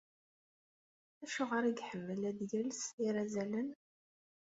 Acuɣer i iḥemmel ad yels irazalen?